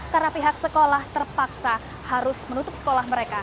karena pihak sekolah terpaksa harus menutup sekolah mereka